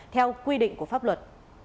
theo quy định của pháp luật